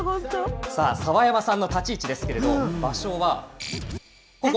さあ、澤山さんの立ち位置ですけれども、場所は、ここ。